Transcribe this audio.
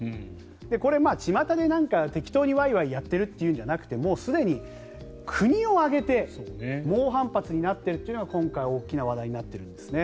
これ、ちまたで適当にワイワイやってるっていうのではなくてもうすでに国を挙げて猛反発になっているのが今回、大きな話題になっているんですね。